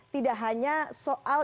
tidak hanya soal